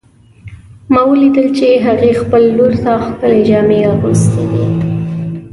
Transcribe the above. ما ولیدل چې هغې خپل لور ته ښکلې جامې اغوستې دي